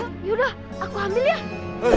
yaudah aku ambil ya